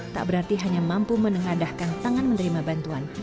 tak berarti hanya mampu menengadahkan tangan menerima bantuan